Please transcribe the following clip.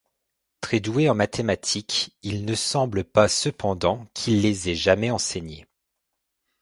Très doué en mathématiques, il ne semble pas cependant qu’il les ait jamais enseignées.